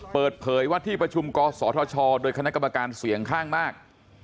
เปิดเผยว่าที่ประชุมกศธชโดยคณะกรรมการเสี่ยงข้างมาก